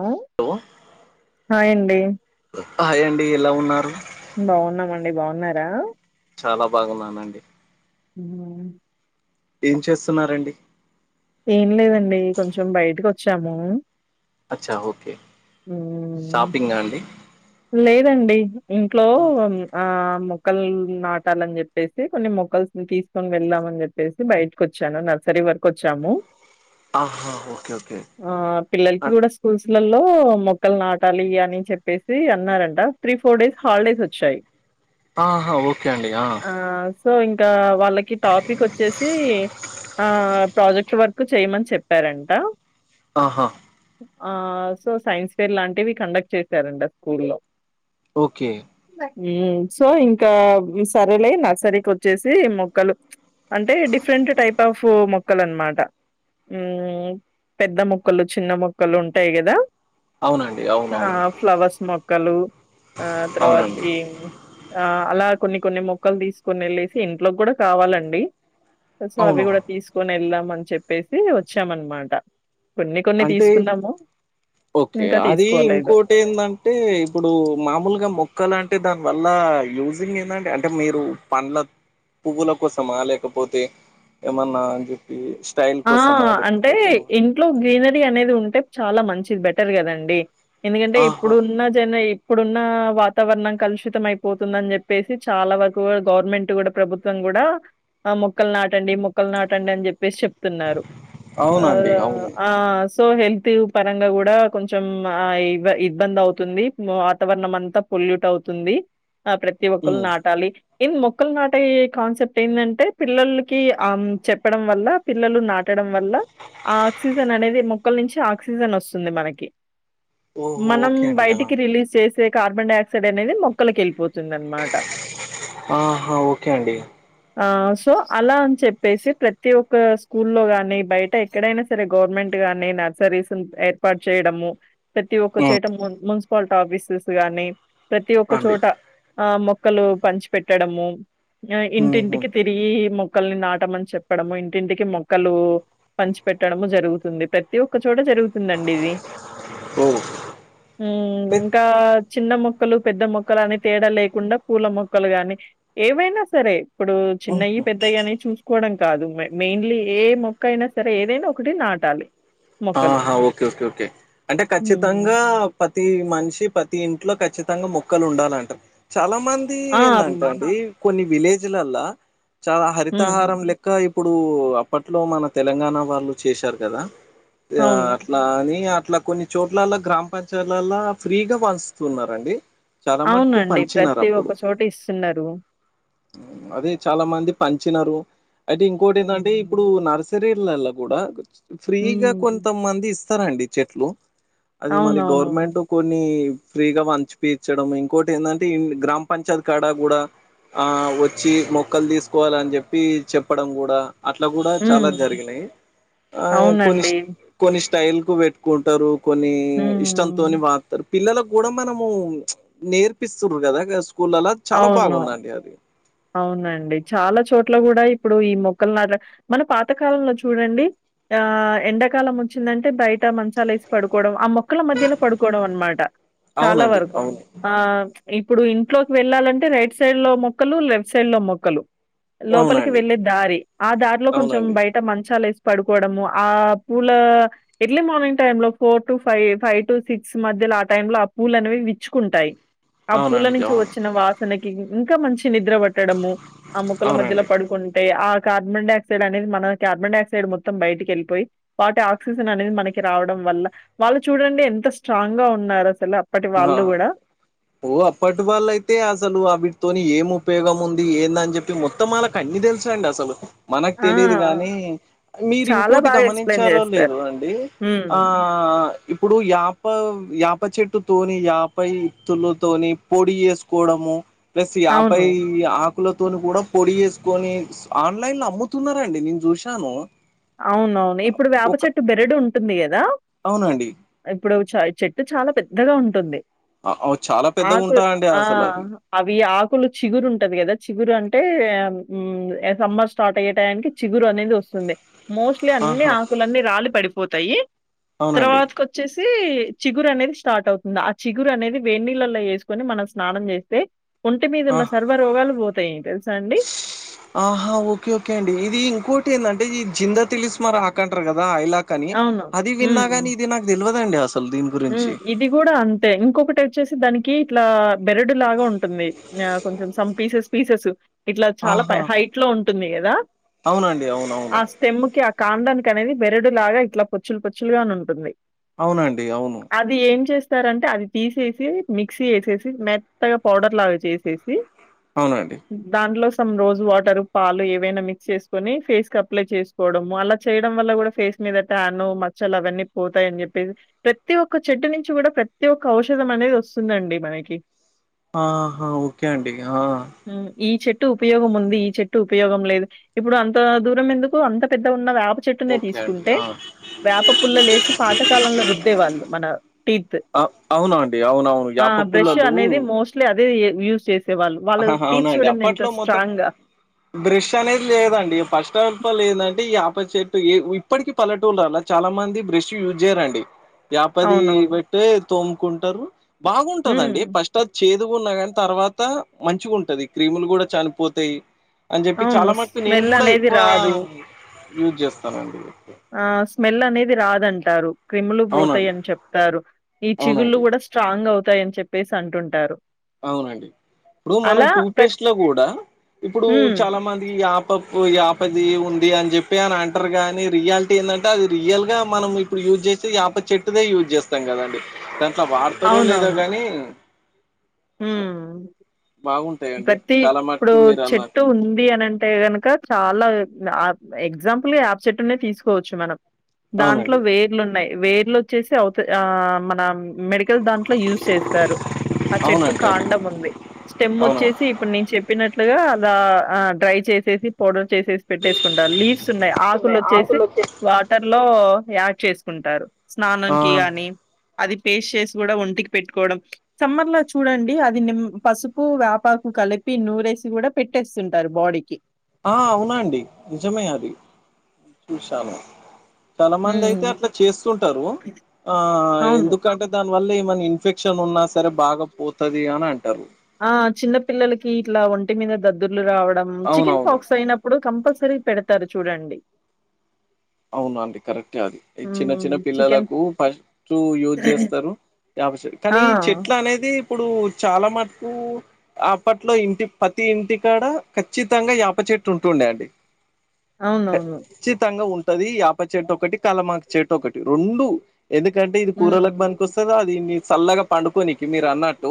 ఆ హలో హాయండి హాయ్ అండి ఎలా ఉన్నారు బాగున్నమండి బాగున్నారా చాలా బాగున్నానండి ఉమ్ ఏం చేస్తున్నారండి చెమ అచ్చా ఓకే ఉమ్ షాపింగ్ అండి లేదండి ఇంట్లో ఆ మొక్కలు నాటాలని చెప్పేసి కొన్ని మొక్కల్స్ తీసుకొని వెళ్దామని చెప్పేసి బయటకు వచ్చాను నక్ సరి వర్కొచము ఆహా ఓకే ఓకే ఆ పిల్లలకి అ- కూడా స్కూల్స్ లలో మొక్కలు నాటాలి అని చెప్పేస్ అన్నారంట త్రీ ఫోర్ డేస్ హాలిడేస్ వచ్చాయి ఆహ ఓకే అండి ఆ సో ఇంకా వాళ్ళకి టాపిక్ ఓచ్చేసి ఆ ప్రాజెక్ట్ వర్క్ చేయమని చెప్పారంట ఆహ ఆ సో సైన్స్ ఫేర్ లాంటివి కండక్ట్ చేశారండి స్కూల్లో ఓకే ఉమ్ సో ఇంకా సరలే నర్సరీకోచ్చేసి మొక్కలు అంటే డిఫరెంట్ టైప్ ఆఫ్ మొక్కలు అనమాట మ్మ్ పెద్ద మొక్కలు చిన్న మొక్కలు ఉంటాయి కదా అవునండి అవునవును మొక్కలు ఆ అవునండి తర్వాతకి ఆ అలా కొన్ని కొన్ని మొక్కలు తీసుకుని ఎళ్ళెసి ఇంట్లోకి కూడా కావాలండి సో అవి అవును కూడా తీసుకొని వెళ్దాం అని చెప్పేసి వచ్చామనమాట కొన్ని కొన్ని అంటే తీసుకున్నాము. ఓకే ఇంకా అది తీసుకోలేదు. ఇంకోటి ఏందంటే ఇప్పుడు మామూలుగా మొక్కలు అంటే దాని వల్ల యూజింగ్ ఏందంటే అంటే మీరు పండ్ల పువ్వుల కోసమా లేకపోతే ఏమన్నా అని చెప్పి స్టైల్ ఆ కోసమా లేకపోతే అంటే ఏమన్నా? ఇంట్లో గీదర్ అనేది ఉంటే చాలా మంచిది బెటర్ కదండి ఎందుకంటే ఆహా ఇప్పుడు ఉన్న జన ఇప్పుడున్న వాతావరణం కలుషితం అయిపోతుందని చెప్పేసి చాలా వరకు కూడా గవర్నమెంట్ కూడా ప్రభుత్వం కూ కూడా ఆ మొక్కలు నాటండి మొక్కలు నాటండి అని చెప్పేసి చెప్ చెప్తున్నారు అవునండి అవును ఆస్ సో హెల్త్ పరంగా కూడా ఆ కొంచెం ఇబ్బంది అవుతుంది వాతావరణం అంతా పొల్యూట్ అవుతుంది ఆ ప్రతి ఒక్కలు ఉమ్ నాటాలి ఎంద్ మొక్కలు నాటే కాన్సెప్ట్ ఏందంటే పిల్లోల్లకి ఆ చెప్పడం వల్ల పిల్లలు నాటడం వల్ల ఆ ఆక్సిజన్ అనేది మొక్కల నుంచి ఆక్సిజన్ వస్తుంది మనకి ఓహో మనం ఓకే అండి అలా బయటికి రిలీజ్ చేసే కార్బన్ డై ఆక్సైడ్ అనేది మొక్కలకి వెళ్ళిపోతు ఆహా ఓకే అండి ఆ సో అలా అని చెప్పేసి ప్రతి ఒ స్కూల్లో గాని బయట ఎక్కడైనా సరే గవర్నమెంట్ గాని నర్సరీస్ ను ఏర్పాటు చేయడము ప్రతి ఉమ్ ఒక్కచోట ము మున్సిపాలిట ఆఫీసెస్ గాని ప్రతి ఒక్క అండి చోట ఆ మొ మొక్కలు పంచి పెట్టడము ఆ ఉహు ఇంటింటికి తిరిగి మొక్కల్ని నాటమని చెప్పడము ఇంటింటికి మొక్కలు పంచి పెట్టడము జరుగుతుంది ప్రతి ఒక్కరు కూడా జరుతుంది అండి ఇది ఓ మ్మ్ పె ఇంకా చిన్న మొక్క మొక్కలు పెద్ద మొక్కలు అని తేడా లేకుండా పూల మొక్కలు గాని ఏవైనా సరే అప్పుడు చిన్నయి ఉహు పెద్దయి అనే చూసుకోవడం కాదు మే మెయిన్లీ ఏ మొక్క అయినా సరే ఏదైనా ఒకటి నాటాలి మొక్కలు. ఆహా ఓకే ఓకే ఓకే అంటే హ్మ్. ఖచ్చితంగా పతి మనిషి పతి ఇంటి ఇంట్లో కచ్చితంగా మొక్కలు ఉండాలంట చాలా మంది ఆ! ఏందంట హ్మ్. అండి కొన్ని విలేజ్ లల్లా చాలా హరితహారం హ్మ్. లెక్క అప్పుడు అప్పట్లో మన తెలంగాణ వాళ్ళు చేశారు కదా ఆ అవును. అట్లా అని అట్లా కొన్ని చోట్లల్ల గ్రామ పంచాయతీలల్లో ఆ ఫ్రీగా పంచుతున్నరండి చాలమాటకు అవునండి. పంచినారు ప్రతి అప్పుడు ఒక్క చోట ఇస్తున్నారు. అది చాలా మంది పంచినారు అయితే ఇంకొటి ఇందంటే ఇప్పుడు హ్మ్. నర్సరీలల్లో కూడా ఫ్రీగా హ్మ్. కొంతమంది స్ ఇస్తారండి చెట్లు అది మరి అవునవును. గవర్నమెంట్ కొన్ని ఫ్రీగా పంచి పించడం ఇంకోటి ఏందంటే ఇ గ్రామ పంచాయతీ కాడ కూడా ఆ వచ్చి మొక్కలు తీసుకోవాల అని చెప్పి చెప్పడం కూడా అట్లా కూడా చాలా హ్మ్. జరిగినాయి ఆ కొన్ని అవునండి. కొన్ని స్టైల్ కు పెట్టుకుంటారు కొన్ని ఇష్టంతోని హ్మ్. వాడతారు పిల్లలకు కూడా మనము నేర్పిస్తుర్రు కదా స్కూల్ల్ లలా చాలా అవును. బాగుందండి అది అవునండి చాలా చోట్ల కూడా ఇప్పుడు ఈ మొక్కలు నాట మన పాతకాలంలో చూడండి ఆ ఎండాకాలం వచ్చిందంటే బయట ట మంచాలేసి పడుకోవడం ఆ మొక్కల మధ్యలో పడుకోవడం అన్మాటా. చాలా అవునండి వరకు అవును ఆ ప్చ్ ఇప్పుడూ ఇంట్లోకి వెళ్ళాలంటే రైట్ సైడ్ లో మొక్కలు లెఫ్ట్ సైడ్ లో మొక్కలు. లోపలికి అవునండి వెళ్ళే దారి ఆ దారిలో కొంచెం అవునండి బయట మంచాల్ ఏస్ పడుకోవడము ఆ పూలా ఎర్లీ మార్నింగ్ టైమ్ లో four two five five two six మధ్య లో ఆ టైం లో ఆ పూల అనేవి విచ్చుకుంటాయి ఆ పూల అవునండి నుంచి అవును వచ్చిన వాసనకి ఇంకా మంచి. నిద్ర పట్టడమూ ఆ మొక్కల మధ్యలో అవునండి పడుకుంటే ఆ కార్బన్ డై ఆక్సైడ్ అనేది మన కార్బన్ డై ఆక్సైడ్ మొత్తం బయటికి ఎళ్ళిపోయి వాటి ఆక్సిజన్ అనేది మనకి రావడం. వల్ల వాళ్ళు చూడండి ఎంత స్ట్రాంగ్ గా ఉన్నారు అసలా ఆ ఓ అప్పటి వాళ్ళ అయితే అసలు అవిట్తోని ఏమొ ఉపయోగం ఉంది ఏందని చెప్పి మొత్తం వాళ్ళకు అన్నీ తెలుసండి అసలు. మనక్ ఆ! తెలీదు గానీ మీరు చాలా ఇంకోటి బాగా ఎక్స్‌ప్లెయిన్ గమనించారో జేస్తారు. లేదో అండీ హ్మ్. ఆ ఇప్పుడు యాపా యాప చెట్టు తోనీ యాపై ఇత్తులతోనీ పొడి చేసుకోవడమూ ప్లస్ యాపై అవును. ఆక్ కులతోనీ గూడా పొడి చేసుకొనీ ఆన్లైన్ లో అమ్ముతున్నరండి నేను చూశాను. అవునవును ఇప్పుడు వేప ఒక చెట్టు బెరడు ఉంటుంది గదా అవునండి ఇప్పుడు చ చెట్టు చాలా పెద్దగా ఉంటుంది. ఆఒ ఒచ్చు ఆకులు ఆ అవి ఆకులు చిగురు ఉంటది కదా చిగురు అంటే ఊ సమ్మర్ స్టార్ట్ అయ్యే టైయమ్కీ చిగురు అనేది వస్తుంది. మోస్ట్లీ అన్నీ ఆహా ఆకులన్నీ రాలి పడిపోతాయి అవునండి తర్వాతకొచ్చేశి శీ చిగురు అనేది స్టార్ట్ అవుతుంది ఆ చిగురు అనేది వేడి నీళ్ళలో వేసుకొని మనం స్నానం చేస్తే. ఒంటి మీద ఆ ఉన్న సర్వ రోగాలు పోతయి తెలుసా అండి. ఆహా ఓకే ఓకే అండి ఇదీ ఇంకోటి ఏందంటే ఇద్ జిందా తిలిసిమార్ ఆకంటారు గదా ఐలాక్ అనీ అవును. అది విన్నాగానీ ఇది నాకు తెల్వదండి అసల్ ఊ ఇది గూడా అంతే ఇంకొకటైత్ వచ్చేశీ దానికీ ఇట్లా బెరడు లాగా ఉంటుంది ఆ కొంచెం సమ్ పీసెస్ పీసెస్ ఇట్లా చాలా ఆహా హైట్ లో ఉంటుంది గదా అవునండి అవునవును ఆ స్టెమ్ముకి ఆ కాండానిక్ అనేది బెరడు లాగా ఇట్లా పొచ్చులు పొచ్చులుగాను ఉంటుంది. అవునండి అవును ఇస్తారంటే అది తీసేసి మిక్సీ ఏసేసి మెత్తగా పౌడర్ లాగా చేసేసి. అవునండి దాంట్లో సమ్ రోజ్ వాటరు పాలు ఏవైనా మిక్స్ చేసుకొనీ ఫేస్ కి అప్లై చేసుకోవడము అలా చేయడం వల్ల గూడా ఫేస్ మీద టాను మచ్చలు అవన్నీ పోతాయి అని చెప్పేసి. ప్రతీ ఒక్క చెట్టు నుంచి గూడా ప్రతి ఒక్క ఔషధం అనేది వస్తుందండి మనకి. ఆహా ఓకే అండి ఆ టు ఉపయోగం ఉంది ఈ చెట్టు ఉపయోగం లేదు ఇప్పుడు అంతా దూరం ఎందుకు అంత పెద్దగ్ ఉన్నద్ ఆప్ ప చెట్టునే ఓకే అండి తీసుకుంటే ఆ వేప పుల్ల లేసి పాత కాలంలో రుద్ద్ వాళ్ళు మనా టీత్ అ అవునండి అవునవును ఆ యాప బ్రష్ పుల్లలు అనేది మోస్ట్లీ అద్ దే యూస్ చేసి ఆ అవునా అండి అప్పట్లో మొత్తం. బ్రష్ అనేది లేదండి ఫస్ట్ ఆఫ్ ఆల్ ఏదంటే ఈ యాప్ ప చెట్టు ఇప్పటికీ పల్లటూర్ల లల్లా చాలా మంది బ్రష్ యూజ్ జేయరండి. వ్యాపదీ అవునవును. పెట్టే తోముకుంటరు హ్మ్. బాగుంటదండి ఫస్ట్ అద్ చేదు గున్నా గాని తర్వాతా మంచిగ ఉంటది క్రీములు గూడా చనిపోతయి. అని చెప్పి అవును. చాలా మట్టుకు నేను స్మెల్ కూడా అనేది ఎక్కువ రాదు. యూజ్ చేస్తానండి ఆ స్మెల్ అనేది రాదంటారు క్రిములు అవునండి పోతాయని చెప్తారు ఈ చిగుళ్ళు అవునండి కూడా స్ట్రాంగ్ అవుతాయని చెప్పేసి అంటుంటారు అవునండి ఇప్పుడు మనం అలా టూత్ ప్రత్ పేస్ట్ లో కూడా ఇప్పుడు హ్మ్. చాలా మందికి యాప పూ యా యాపాది ఉంది అని చెప్పి అని అంటారు కాగానీ రియాలిటీ ఏందంటే అది రియల్ గా మనం ఇప్పుడు యూజ్ చేసేది యాపది చెట్టుదే యూజ్ చేస్తాం కదండి దాంట్లో వాడతారు లేదో కానీ హ బాగుంటాయండి ప్రతి చాలా ఇప్పుడు మటుకు మీరు అన్నారు చెట్టు ఉంది అని అంటే గనుక చాలా ఎగ్జాంపుల్ యాప్ చెట్నే తీసుకోవచ్చు మనం దాంట్లో అవునండి వేర్లు ఉన్నాయి వేర్లు వచ్చేసి అవుత ఆ మన మెడికల్ దాంట్లో యూజ్ చేస్తారు చెట్టు అవునంటండి కాండము ఉంది స్టెమ్ అవునండి వచ్చేసి ఇప్పుడు నేను చెప్పినట్లు అలా ఆ డ్రై చేసేసి పౌడర్ చేసేసి పెట్టేసుకుంటారు లీవ్స్ ఉన్నాయి ఆకులు వస్తున్నాయి వచ్చేసి వచ్చే వాటర్ లో యాడ్ చేసుకుంటారు స్నానం ఆ కి గానీ అది పేస్ట్ చేసి కూడా ఒంటికి పెట్టుకోవడం సమ్మర్ లో చూడండి అది నిమ్ పసుపు వేపకు కలిపి నూరేసి కూడా పెట్టేస్తుంటారు బాడీకి ఆ అవునండి నిజమే అది చూశాను చాలా మంది హ్మ్. అయితే అట్లా చేస్తుంటారు ఆ అవును ఎందుకంటే దాన్ని వల్ల ఏమనా ఇన్ఫెక్షన్ ఉన్నా సరే బాగా పోతది అని అంటారు ఆ చిన్న పిల్లలకి ఇట్లా ఒంటి మీద దద్దుర్లు రావడం చికెన్ అవునవును ఫాక్స్ అయినప్పుడు కంపల్సరీ పెడతారు చూడండి అవున అండి కరెక్టే అది ఈ చిన్న హ్మ్. చిన్న చికెన్ పిల్లలకు ఫస్ట్ యూజ్ చేస్తారు యప్ చే కానీ ఈ ఆ చెట్ల అనేది ఇప్పుడు చాలా మటుకు అప్పట్లో ఇంటి పతి ఇంటికాడ ఖచ్చితంగా యాప చెట్టు ఉంటుండే అండి అవునవును. ఖచ్చితంగా ఉంటది యాప చెట్టు ఒకటి కలమాక చెట్టు ఒకటి రెండు ఎందుకంటే ఇది కూరలకు బనికి హ్మ్. వస్తుంది అది చల్లగా పండుకొనికి మీరు అన్నట్టు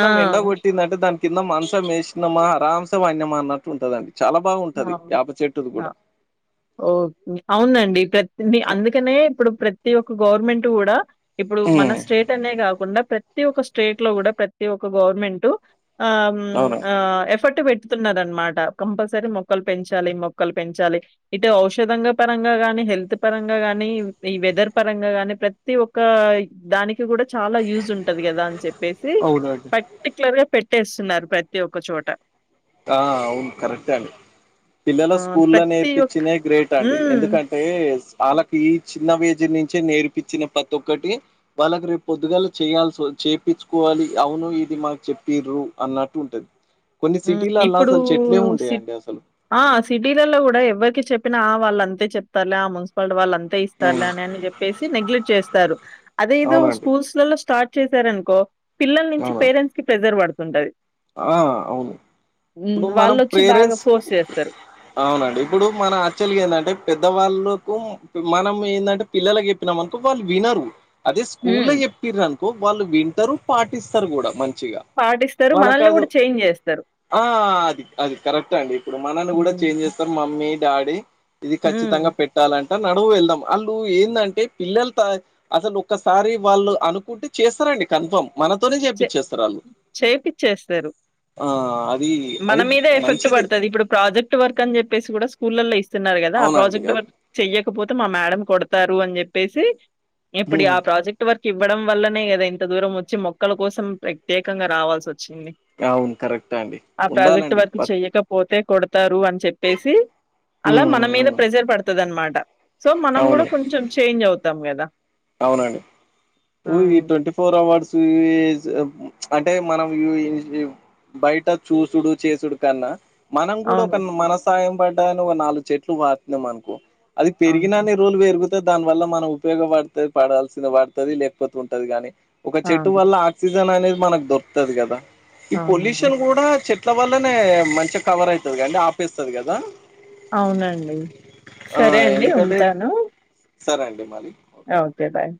ఆ! ఎండ కొట్టింది అంటే దానికి కింద మంచ మేసినమా అరాంస పండినమా అన్నట్టు ఉంటదండి చాలా బాగుంటది అవును. యాప చెట్టుది అ! కూడా ఓకే. అవునండి ప్రతి అందుకనే ఇప్పుడు ప్రతి ఒక్క గవర్నమెంట్ కూడా ఇప్పుడు మన ఉమ్ స్టేట్ అనే కాకుండా ప్రతి ఒక్క స్టేట్ లో కూడా ప్రతి ఒక్క గవర్నమెంట్ ఆ అవునండి ఆ ఎఫర్ట్ పెట్టుతున్న అనమాట కంపల్సరీ మొ క్కలు పెంచాలి మొక్కలు పెంచాలి ఇటు ఔషధ పరంగా గాని హెల్త్ పరంగా గానీ వెదర్ పరంగా గాని ప్రతి ఒక్క దానికి చాల యూస్ ఉంటంది కదా అని చెప్పేసి అవునండి పర్టిక్యులర్గా పెట్టేస్తున్నారు ప్రతి ఒక్క చోట ఆ అవును కరెక్ట్ అండి పిల్లల ఆహ్, స్కూల్లో ప్రతి ఒక్క నేర్పించినయే గ్రేట్ అండి హ్మ్. ఎందుకంటే వాళ్ళకి ఈ చిన్న ఏజ్ నుంచే నేర్పించిన ప్రతి ఒక్కటి వాళ్ళకి రేపు పొద్దుగాలు చేయాల్సి వ చేపించుకోవాలి అవును ఇది మాకు చెప్పిరు అన్నట్టు ఉంటది కొన్ని సిటీలల్లా ఇప్పుడు అసలు చెట్లే ఉండేయండి అసలు ఆ సిటీలలో కూడా ఎవ్వరికి చెప్ప చెప్పిన వాళ్ళ అంతే చెప్తారులే ఆ మున్సిపాలిటీ వాళ్ళంతే అంతే ఇస్తారులే ఉమ్, అని చెప్పేసి నెగ్లెట్ చేస్తారు అదేదో అవునండి స్కూల్స్ లలో స్టార్ట్ చేశారనుకో పిల్లల నుంచి అవునండి పేరెంట్స్ కి ప్రెజర్ పడుతుంటది ఆ అవును హ్మ్. ఇప్పుడు మనం వాళ్ళొచ్చి బాగా ప్రేరెంట్స్ ఫోర్స్ చేస్తారు. అవునండి ఇప్పుడు మన యాక్చువల్గా ఏంటంటే పెద్దవాళ్ళు మనం ఏంటంటే పిల్లలకి చెప్పినాం అనుకో వాళ్ళు వినరు అదే స్కూల్ హ్మ్. లో చెప్పిరనుకో కొ వాళ్ళు వింటారు పాటిస్తారు కూడా మంచి పాటిస్తారు వాళ్ళ మనల్ని కాదు గూడా చేంజ్ జేస్తారు. ఆ అది అది కరెక్ట్ అండి ఇప్పుడు మనల్ని కూడా హ్మ్. చేంజ్ చేస్తారు మమీ మీ డాడీ ఇది హ్మ్. ఖచ్చితంగా పెట్టాలంటే నడువు వెళ్దాం అళ్ళు ఏందంటే పిల్లలు త అసలు ఒక్కసారి వాళ్ళు అనుకుంటే చేస్తార రండి కన్ఫమ్ మనతోనే చెప్పచ్చేస్తారు వాళ్ళు సరు మన అది మీద ఎఫెక్ట్ మంచిది పడుతుంది ఇప్పుడు ప్రాజెక్ట్ వర్క్ అని చెప్పేసి కూడా సు స్కూలల్లో ఇస్తున్నారు కదా ఆ అవునండి ప్రాజెక్ట్ అది వర్క్ చెయకపోతే మా మేడం కొడతారు అని చెప్పేసి ఇప్పుడు హ్మ్. ఆ ప్రాజెక్ట్ వర్క్ ఇవ్వడం వల్లనే కదా ఇంత దూరం వచ్చి మొ క్కల కోసం ప్రత్యేకంగా రావాల్సి వచ్ చిన్ని అవును కరెక్టే అండి ఆ ప్రాజెక్ట్ ఉండాలండి వర్క్ ప చెయ్యకపోతే తరు అని చెప్పేసి అలా ఉమ్ మన మీద ఉమ్ ప్రెజర్ పడతుంది అనమాట సో మనం కూడా అవును కొంచెం చేంజ్ అవుతాం కదా అవునండి ఈ ట్వంటీ ఫోర్ అవార్డ్స్ వి ఇస్ అంటే మనం బయట చూసుడు చేసుడు కన్నా మనం కూడా ఒక అవును. మన సాయం పడ్డాని ఒక నాలుగు చెట్లు నాటినం అనుకో అది అవును. పెరిగినన్ని రోలు పెరుగుతే దాని వల్ల మనం ఉపయోగపడు పడాల్సిన పడుతది లేకపోతే ఉంటది కాగాని ఒక చెట్టు అవును. వల్ల ఆక్సిజన్ అనేది మనకు దొరుతది కదా ఈ అవునండి. పొల్యూషన్ కూడా చెట్ ట్ల వల్లనే మంచిగా కవర్ అవుతుంది కండి ఆపెస్తుంది కదా అవునండి ఆ సరే అండి ఎందుకంటే ఉంటాను సరే అండి మరి అ ఓకే బాయ్